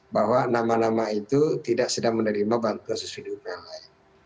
bahwa nama nama itu tidak sedang menerima bantuan subsidi upah yang lain